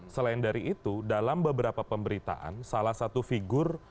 selain dari itu dalam beberapa pemberitaan salah satu figur